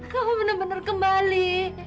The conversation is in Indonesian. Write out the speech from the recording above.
kamu benar benar kembali